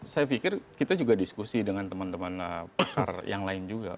saya pikir kita juga diskusi dengan teman teman pakar yang lain juga